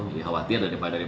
dia khawatir daripada mereka